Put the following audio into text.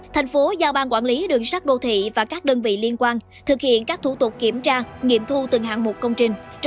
thành phố giao ban quản lý đường sắt đô thị và các đơn vị liên quan thực hiện các thủ tục kiểm tra nghiệm thu từng hạng mục công trình